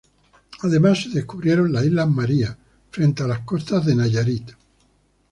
Además se descubrieron las Islas Marías frente a las costas de Nayarit.